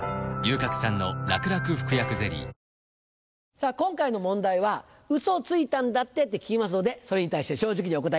さぁ今回の問題は「ウソついたんだって？」って聞きますのでそれに対して正直にお答えください。